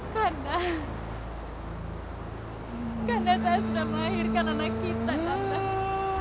karena saya sudah melahirkan anak kita gaga